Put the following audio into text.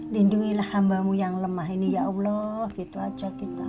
lindungilah hambamu yang lemah ini ya allah gitu aja kita